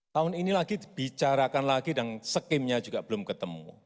tahun ini lagi dibicarakan lagi dan skimnya juga belum ketemu